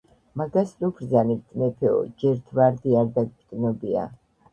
მაგას ნუ ჰბრძანებთ, მეფეო, ჯერთ ვარდი არ დაგჭნობია,